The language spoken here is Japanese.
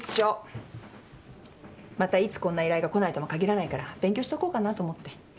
またいつこんな依頼がこないとも限らないから勉強しとこうかなと思って。